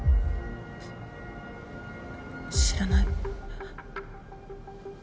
知らない。